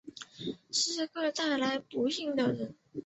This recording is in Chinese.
是个带来不幸的人